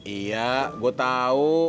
iya gue tau